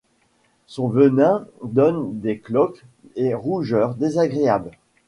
Son venin donne des cloques et rougeurs désagréables.